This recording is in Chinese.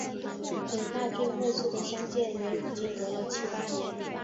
连那最末次的相见也已经隔了七八年